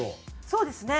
そうですね。